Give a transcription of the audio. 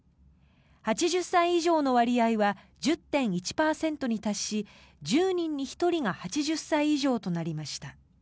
８０歳以上の割合は１０．１％に達し１０人に１人が８０歳以上となりました。